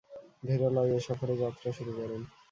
ধীরলয়ে এ সফরে যাত্রা শুরু করেন।